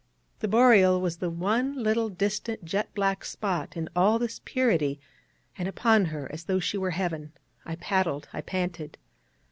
The Boreal was the one little distant jet black spot in all this purity: and upon her, as though she were Heaven, I paddled, I panted.